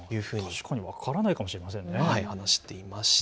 確かに分からないかもしれませんよね。